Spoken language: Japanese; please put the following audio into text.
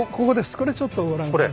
これちょっとご覧下さい。